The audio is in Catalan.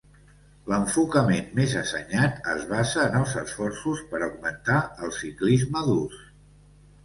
L'enfocament més assenyat es basa en els esforços per augmentar el ciclisme d'ús.